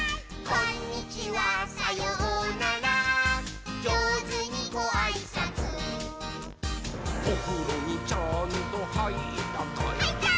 「こんにちはさようならじょうずにごあいさつ」「おふろにちゃんとはいったかい？」はいったー！